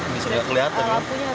bisa nggak kelihatan